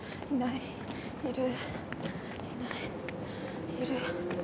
いる。